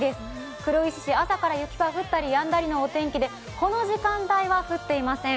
黒石市、朝から雪が降ったりやんだりの天気で、この時間帯は降っていません。